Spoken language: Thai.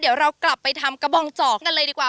เดี๋ยวเรากลับไปทำกระบองจอกันเลยดีกว่า